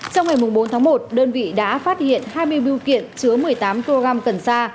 trong ngày bốn tháng một đơn vị đã phát hiện hai mươi biêu kiện chứa một mươi tám kg cần sa